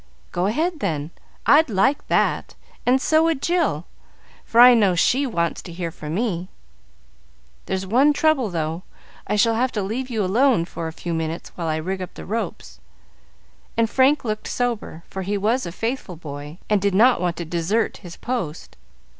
"Go ahead, then. I'd like that, and so would Jill, for I know she wants to hear from me." "There's one trouble, though; I shall have to leave you alone for a few minutes while I rig up the ropes;" and Frank looked sober, for he was a faithful boy, and did not want to desert his post.